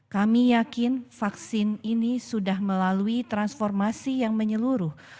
kami yakin vaksin ini sudah melalui transformasi yang menyeluruh